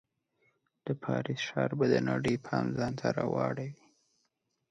د پاریس ښار به د نړۍ پام ځان ته راواړوي.